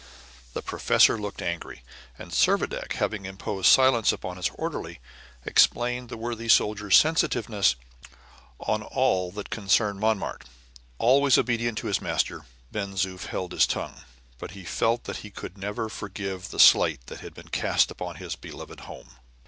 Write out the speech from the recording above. The professor looked angry, and Servadac having imposed silence upon his orderly, explained the worthy soldier's sensitiveness on all that concerned Montmartre. Always obedient to his master, Ben Zoof held his tongue; but he felt that he could never forgive the slight that had been cast upon his beloved home.